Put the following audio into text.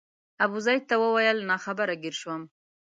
ابوزید ته وویل ناخبره ګیر شوم.